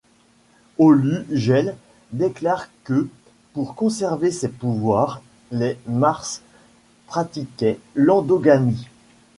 Aulu-Gelle déclare que, pour conserver ces pouvoirs, les Marses pratiquaient l'endogamie.